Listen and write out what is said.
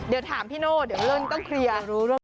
เดี๋ยวถามพี่โน่เดี๋ยวเลินต้องเคลียร์